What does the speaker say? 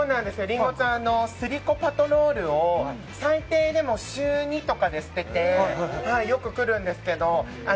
りんごちゃんはスリコパトロールを最低でも週２とかでしててよく来るんですけど。